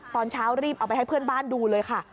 ตอนเช้ารีบเอาไปให้เพื่อนบ้านดูเลยค่ะ